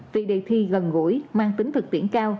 vì đề thi gần gũi mang tính thực tiễn cao